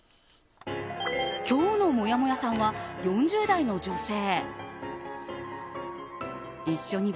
今日のもやもやさんは４０代の女性。